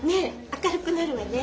明るくなるわね。